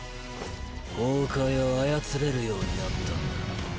崩壊を操れるようになったんだ。